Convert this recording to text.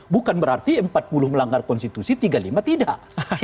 bukan berarti empat puluh melanggar konstitusi tiga puluh lima tidak